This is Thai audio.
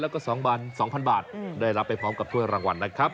แล้วก็๒๐๐บาทได้รับไปพร้อมกับถ้วยรางวัลนะครับ